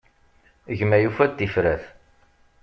Gma yufa-d tifrat.